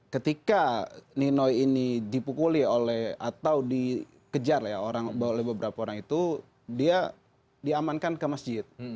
ketika nino ini dipukuli oleh atau dikejar oleh beberapa orang itu dia diamankan ke masjid